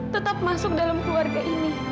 tetap masuk dalam keluarga ini